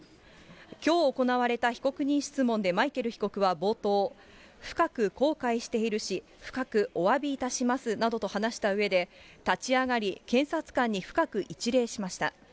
きょう行われた被告人質問でマイケル被告は冒頭、深く後悔しているし、深くおわびいたしますなどと話したうえで、立ち上がり、検察官に深く一礼しました。